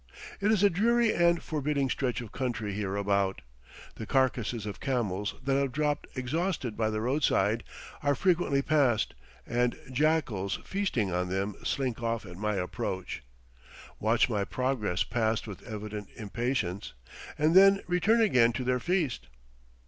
It is a dreary and forbidding stretch of country hereabout, the carcasses of camels that have dropped exhausted by the roadside, are frequently passed, and jackals feasting on them slink off at my approach, watch my progress past with evident impatience, and then return again to their feast.